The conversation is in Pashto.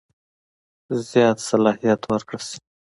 زیات صلاحیت ورکړه شي.